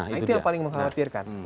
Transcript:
nah itu yang paling mengkhawatirkan